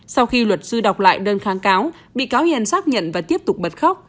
sau khi luật sư đọc lại đơn kháng cáo bị cáo hiền xác nhận và tiếp tục bật khóc